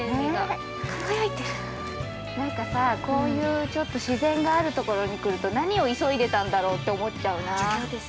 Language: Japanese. ◆なんかさぁ、こういうちょっと自然があるところに来ると何を急いでたんだろうって思っちゃうなー。